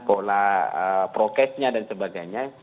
pola prokesnya dan sebagainya